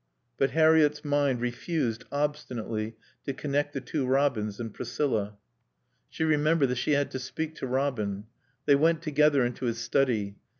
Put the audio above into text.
But Harriett's mind refused, obstinately, to connect the two Robins and Priscilla. She remembered that she had to speak to Robin. They went together into his study.